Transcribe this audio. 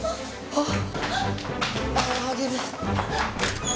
あっ！